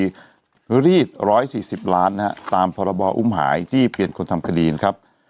รีด๑๔๐ล้านนะฮะตามพรบอุ้มหายจี้เปลี่ยนคนทำคดีนะครับ